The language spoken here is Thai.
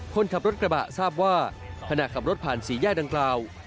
คนขับรถกระบะทราบว่าขณะขับรถผ่านสี่แยกดังกล่าว